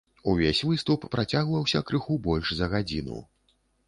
Увесь выступ працягваўся крыху больш за гадзіну.